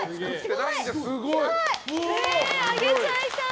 あげちゃいたい！